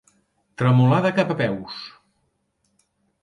Tremolar de cap a peus.